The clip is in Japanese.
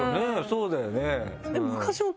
そうだよね。